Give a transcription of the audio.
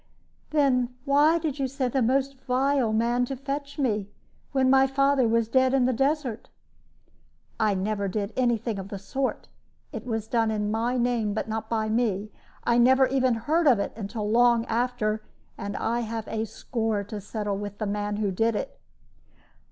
"Then why did you send a most vile man to fetch me, when my father was dead in the desert?" "I never did any thing of the sort. It was done in my name, but not by me; I never even heard of it until long after, and I have a score to settle with the man who did it."